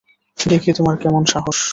দেখি তোমার কেমন সাহস।